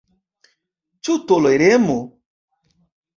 Ĉu toleremo?